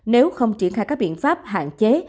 nếu không triển khai các biện pháp hạn chế